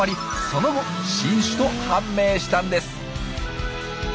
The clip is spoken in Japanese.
その後新種と判明したんです。